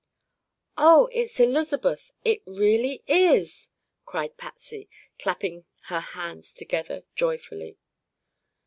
"Oh, it's Elizabeth it really is!" cried Patsy, clapping her hands together joyfully.